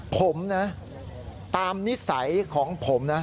ผมนะตามนิสัยของผมนะ